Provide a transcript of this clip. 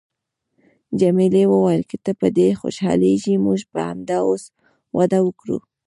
جميلې وويل: که ته په دې خوشحالیږې، موږ به همدا اوس واده وکړو.